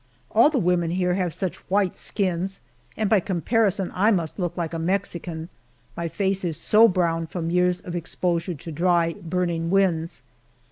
All the women here have such white skins, and by comparison I must look like a Mexican, my face is so brown from years of exposure to dry, burning winds.